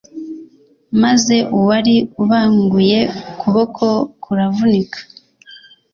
maze uwari ubanguye ukuboko kuravunika